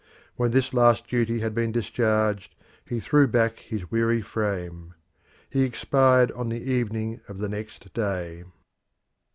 When this last duty had been discharged he threw back his weary frame. He expired on the evening of the next day.